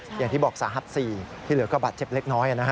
อย่างที่บอกสหรัฐสี่ที่เหลือก็บาดเจ็บเล็กน้อยว่ะนะฮะ